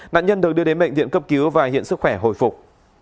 nạn nhân được đưa đến bệnh viện cấp cứu và hiện sức khỏe hồi phục